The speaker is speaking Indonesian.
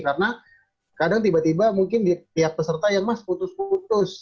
karena kadang tiba tiba mungkin pihak peserta yang mas putus putus